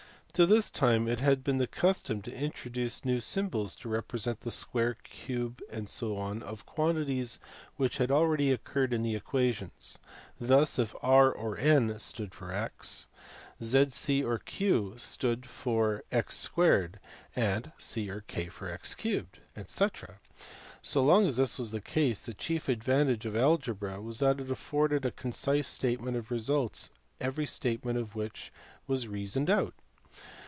Till this time it had been the custom to introduce new" symbols to represent the square, cube, <kc. of quantities which had already occurred in the equations ; thus, if R or N stood for x, Z or C or Q stood for x 2 , and C or K for x 3 , &e. So long as this was the case the chief advantage of algebra was that it afforded a concise state ment of results every statement of which was reasoned out.